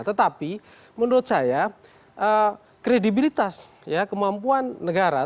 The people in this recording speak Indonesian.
tetapi menurut saya kredibilitas kemampuan negara